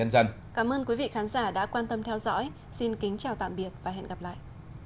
xin chào tạm biệt và hẹn gặp lại